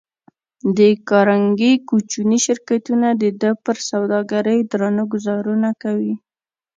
د کارنګي کوچني شرکتونه د ده پر سوداګرۍ درانه ګوزارونه کوي.